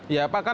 ya pak kan